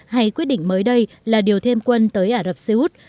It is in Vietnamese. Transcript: hay quyết định mới đây là điều thêm quân tới ả rập xê út